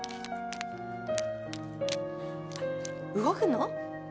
動くの？